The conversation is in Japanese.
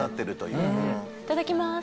いただきます。